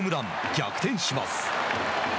逆転します。